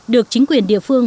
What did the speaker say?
được chính quyền địa phương